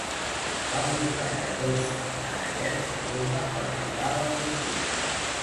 Va portar catorze aneguets de goma per jugar a la piscina.